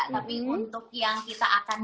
tapi untuk yang kita akan